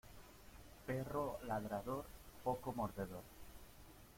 Perro ladrador poco mordedor.